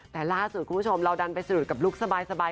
แต่ล่าสุดคุณผู้ชมเราดันไปสะดุดกับลุคสบาย